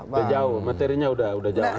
sudah jauh materinya sudah